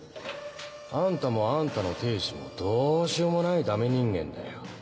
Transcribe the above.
あんたもあんたの亭主もどうしようもない駄目人間だよ。